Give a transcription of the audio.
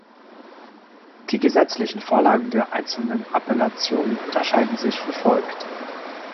Die gesetzlichen Vorlagen der einzelnen Appellationen unterscheiden sich wie folgt.